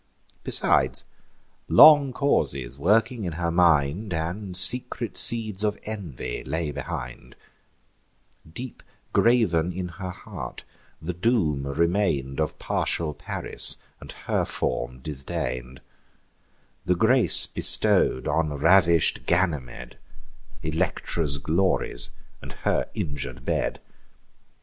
Besides, long causes working in her mind, And secret seeds of envy, lay behind; Deep graven in her heart the doom remain'd Of partial Paris, and her form disdain'd; The grace bestow'd on ravish'd Ganymed, Electra's glories, and her injur'd bed.